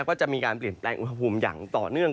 ก็จะมีการเปลี่ยนแปลงอุณหภูมิอย่างต่อเนื่อง